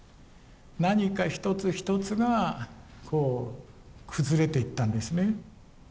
何か一つ一つがこう崩れていったんですね。